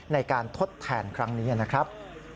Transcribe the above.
ในการทดแทนครั้งนี้นะครับ